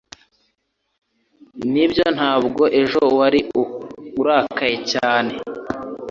Nibyo ntabwo ejo wari urakaye cyane